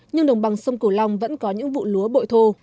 nhưng đồng bằng sông cửu long vẫn có những vụ lúa bội thô